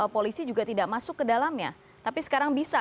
polisi juga tidak masuk ke dalamnya tapi sekarang bisa